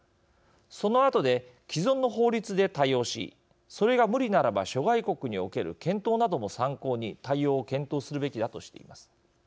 そのあとで既存の法律で対応しそれが無理ならば諸外国における検討なども参考に対応を検討するべきだとしています。